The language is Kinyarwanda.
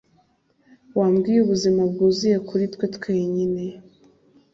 wambwiye ... ubuzima bwuzuye kuri twe twenyine